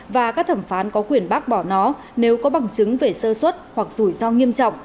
và các thẩm phán có quyền bác bỏ nó nếu có bằng chứng về sơ xuất hoặc rủi ro nghiêm trọng